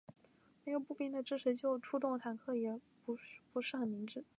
没有步兵的支持就出动坦克也许不是很明智。